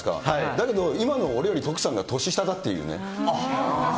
だけど今の俺より徳さんが年下だっていうね。